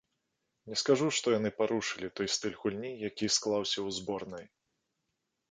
Не скажу, што яны парушылі той стыль гульні, які склаўся ў зборнай.